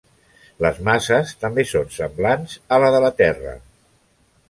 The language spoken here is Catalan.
Les masses també són semblants a la de la Terra.